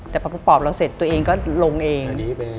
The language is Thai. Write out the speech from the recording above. แต่พอปอบเราเสร็จตัวเองก็ลงเอง